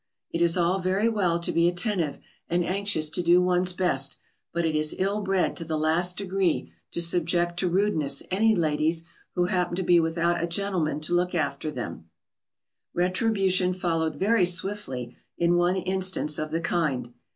It is all very well to be attentive and anxious to do one's best, but it is ill bred to the last degree to subject to rudeness any ladies who happen to be without a gentleman to look after them. [Sidenote: An instance.] Retribution followed very swiftly in one instance of the kind.